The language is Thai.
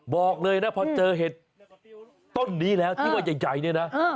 บอกเลยนะพอเจอเห็ดต้นนี้แล้วที่ว่าใหญ่เนี่ยนะ